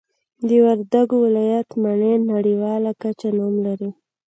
د وردګو ولایت مڼې نړیوال کچه نوم لري